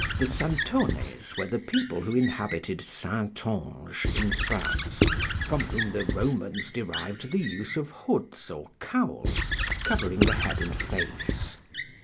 The Santones were the people who inhabited Saintonge in France, from whom the Romans derived the use of hoods or cowls covering the head and face.